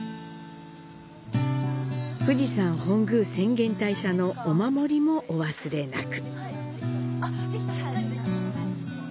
富士山本宮浅間大社のお守りもお忘れなく。